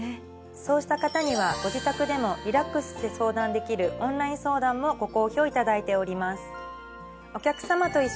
そうした方にはご自宅でもリラックスして相談できるオンライン相談もご好評いただいております。